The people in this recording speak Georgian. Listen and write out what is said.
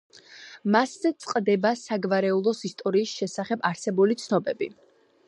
მასზე წყდება საგვარეულოს ისტორიის შესახებ არსებული ცნობები.